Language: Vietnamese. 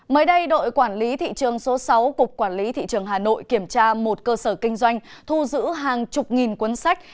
mới đây đội quản lý thị trường số sáu cục quản lý thị trường hà nội kiểm tra một cơ sở kinh doanh thu giữ hàng chục nghìn cuốn sách